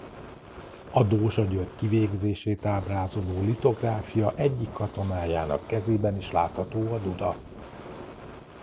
A Dózsa György kivégzését ábrázoló litográfia egyik katonájának kezében is látható a duda.